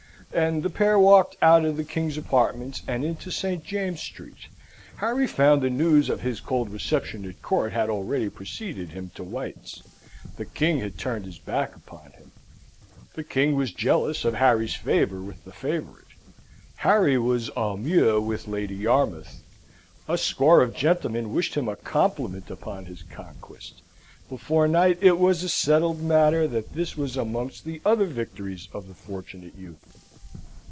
And the pair walked out of the King's apartments and into Saint James's Street. Harry found the news of his cold reception at court had already preceded him to White's. The King had turned his back upon him. The King was jealous of Harry's favour with the favourite. Harry was au mieux with Lady Yarmouth. A score of gentlemen wished him a compliment upon his conquest. Before night it was a settled matter that this was amongst the other victories of the Fortunate Youth.